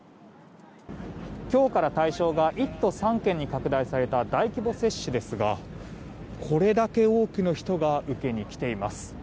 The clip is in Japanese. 今日から対象が１都３県に拡大された大規模接種ですがこれだけ多くの人が受けに来ています。